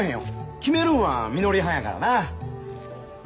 決めるんはみのりはんやからな。